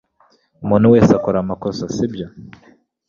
Umuntu wese akora amakosa sibyo